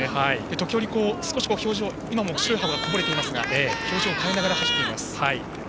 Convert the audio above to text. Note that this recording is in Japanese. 時折、白い歯もこぼれていますが表情を変えながら走っています。